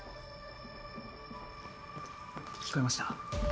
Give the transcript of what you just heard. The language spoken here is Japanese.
聞こえました？